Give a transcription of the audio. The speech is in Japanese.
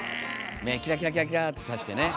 目キラキラキラキラってさしてね。